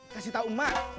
kasih tau emak